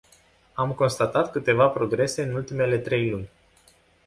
Am constatat câteva progrese în ultimele trei luni.